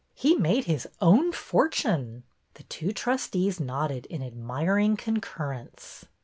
He made his own fortune." The two trustees nodded in admiring con currence.